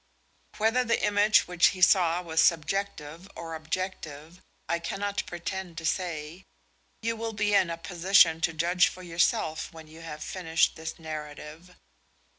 Whether the image which he saw was subjective or objective, I cannot pretend to say: you will be in a position to judge for yourself when you have finished this narrative.